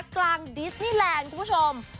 กลางดิสนีแลนด์คุณผู้ชม